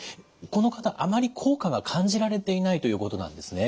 この方あまり効果が感じられていないということなんですね。